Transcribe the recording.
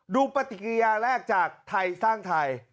ปฏิกิริยาแรกจากไทยสร้างไทย